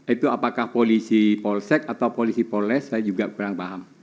itu apakah polisi polsek atau polisi polres saya juga kurang paham